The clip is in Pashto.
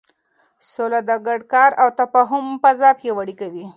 سوله د ګډ کار او تفاهم فضا پیاوړې کوي.